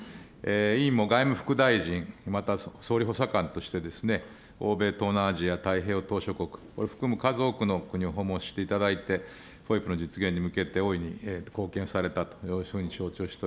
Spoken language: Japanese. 委員も外務副大臣、また、総理補佐官として欧米、東南アジア、太平洋島しょ国、これを含む数多くの国を訪問していただいて、ＦＯＩＰの実現に向けて大いに貢献されたというふうに承知をして